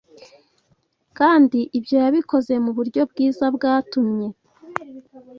kandi ibyo yabikoze mu buryo bwiza bwatumye